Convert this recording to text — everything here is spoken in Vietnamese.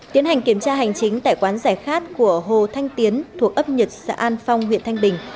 tiến hành kiểm tra hành chính tại quán giải khát của hồ thanh tiến thuộc ấp nhật xã an phong huyện thanh bình